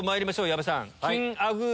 矢部さん。